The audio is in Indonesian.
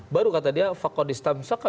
baru kata dia